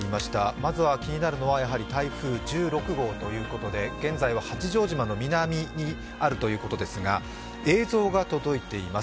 まずは気になるのは台風１６号ということで現在は八丈島の南にあるということですが映像が届いています。